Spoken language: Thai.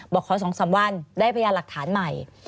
บอกขอ๒๓วันได้พยานหลักฐานใหม่